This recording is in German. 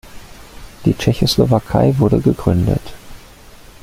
Die Tschechoslowakei wurde gegründet.